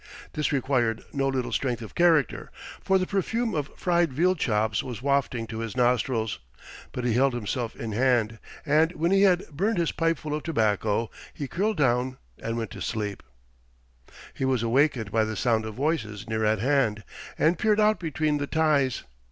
This required no little strength of character, for the perfume of fried veal chops was wafted to his nostrils, but he held himself in hand, and when he had burned his pipeful of tobacco he curled down and went to sleep. He was awakened by the sound of voices near at hand, and peered out between the ties.